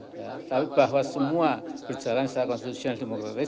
tapi bahwa semua berjalan secara konstitusional demokratis